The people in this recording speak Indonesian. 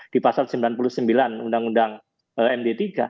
di pasal sembilan puluh sembilan undang undang md tiga